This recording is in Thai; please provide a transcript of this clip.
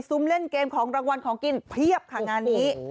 เล่นเกมของรางวัลของกินเพียบค่ะงานนี้